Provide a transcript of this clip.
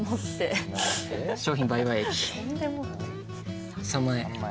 商品売買益３万円。